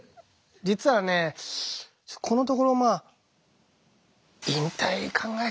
実はねこのところまあ引退考えてんのよね。